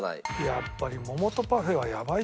やっぱり。